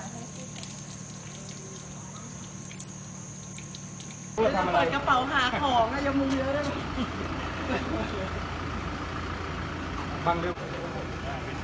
สุดท้ายสุดท้ายสุดท้าย